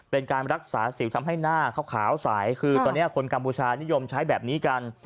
เป็นการรักษาสิวทำให้หน้าขาวสายคือตอนนี้คนกัมพูชานิยมใช้แบบนี้กัน